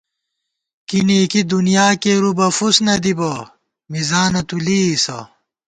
کی نېکی دُنیا کېرُو بہ، فُس نہ دِبہ مِزانہ تُو لېئیسہ